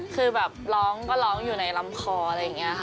คือแบบร้องก็ร้องอยู่ในลำคออะไรอย่างนี้ค่ะ